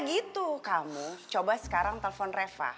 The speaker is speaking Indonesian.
gitu kamu coba sekarang telpon reva